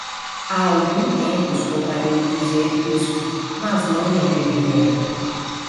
Há algum tempo estou para lhe dizer isto, mas não me atrevia.